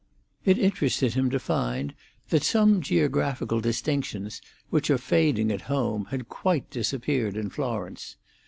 It interested him to find that some geographical distinctions which are fading at home had quite disappeared in Florence.